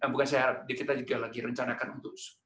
bukan saya harap kita juga lagi rencanakan untuk